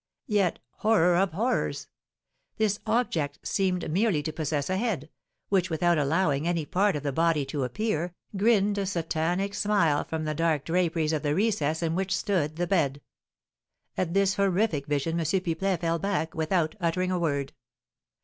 Yet, horror of horrors! This object seemed merely to possess a head, which, without allowing any part of the body to appear, grinned a satanic smile from the dark draperies of the recess in which stood the bed. At this horrific vision M. Pipelet fell back, without uttering a word.